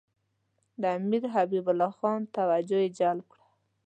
د امیر حبیب الله خان توجه یې جلب کړه.